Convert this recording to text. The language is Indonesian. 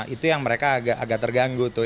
itu yang mereka agak terganggu tuh